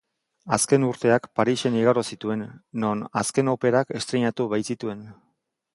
Azken urteak Parisen igaro zituen, non azken operak estreinatu baitzituen.